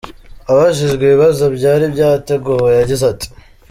Abajijwe ibibazo byari byateguwe yagize ati:.